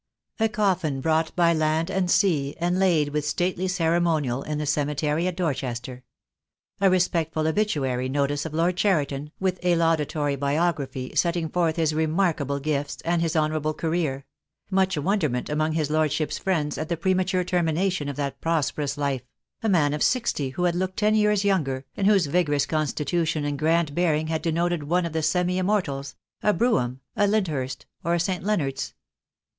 A coffin brought by land and sea, and laid with stately ceremonial in the cemetery at Dorchester. A respectful obituary notice of Lord Cheriton, with a laudatory biography, set ting forth his remarkable gifts and his honourable career : much wonderment among his Lordship's friends at the premature termination of that prosperous life — a man of sixty who had looked ten years younger, and whose vigorous constitution and grand bearing had denoted one of the semi immortals — a Brougham, a Lyndhurst, or a St. Leonards.